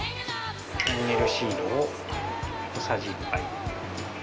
フェンネルシードを小さじ１杯。